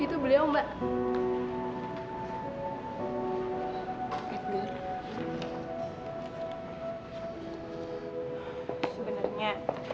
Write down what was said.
mentonagi cuman lahin rupanya